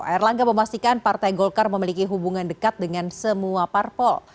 air langga memastikan partai golkar memiliki hubungan dekat dengan semua parpol